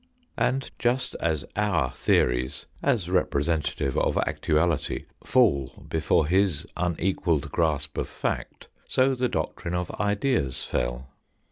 And just as our theories, as representative of actuality, fall before his unequalled grasp of fact, so the doctrine of ideas fell.